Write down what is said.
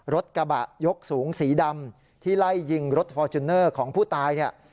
รถกระบะยกสูงสีดำที่ไล่ยิงรถฟอร์จูเนอร์ของผู้ตายเนี่ย